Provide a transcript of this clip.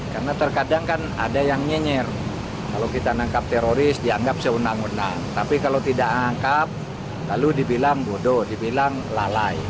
karena terkadang kan ada yang nyinyir kalau kita nangkap teroris dianggap seundang undang tapi kalau tidak angkap lalu dibilang bodoh dibilang lalai